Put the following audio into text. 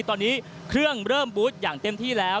ตอนนี้เครื่องเริ่มบูธอย่างเต็มที่แล้ว